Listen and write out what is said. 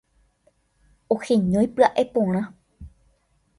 Oheñói pya'e porã.